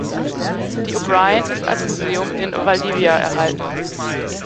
Die O’Brien ist als Museum in Valdivia erhalten.